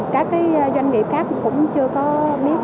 các cái doanh nghiệp khác cũng chưa có biết tới